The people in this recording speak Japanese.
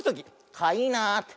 かいなって。